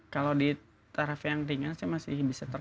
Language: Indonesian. kalau di taraf yang ringan saya masih bisa tahu